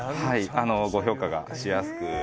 「はいご評価がしやすく」